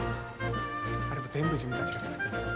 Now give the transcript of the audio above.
あれも全部自分たちが作ってんねん。